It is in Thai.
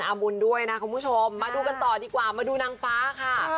บุญด้วยนะคุณผู้ชมมาดูกันต่อดีกว่ามาดูนางฟ้าค่ะ